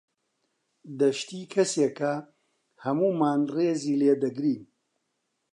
دەشتی کەسێکە هەموومان ڕێزی لێ دەگرین.